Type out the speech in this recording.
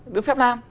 được phép làm